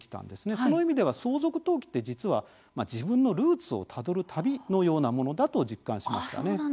その意味では相続登記って実は自分のルーツをたどる旅のようなものだと実感しました。